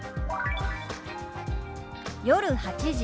「夜８時」。